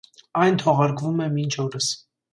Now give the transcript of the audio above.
Այն թողարկվում է մինչ օրս։